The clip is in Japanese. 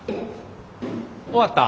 終わった？